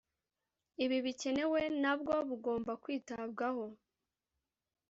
Ibi bikenewe nabwo bugomba kwitabwaho